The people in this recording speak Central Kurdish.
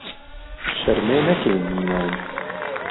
شەرمێ نهکەی میوانی